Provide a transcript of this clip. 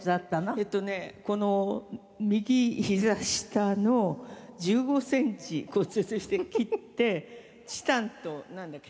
えっとねこの右膝下の１５センチ骨折して切ってチタンとなんだっけ？